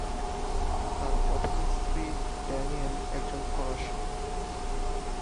তাঁর প্রথম স্ত্রী ড্যানিয়েল, একজন ফরাসি।